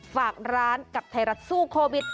ฝากร้านกับไทยรัฐสู้โควิด